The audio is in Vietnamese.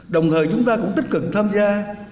đồng thời chúng ta cũng tích cực tham gia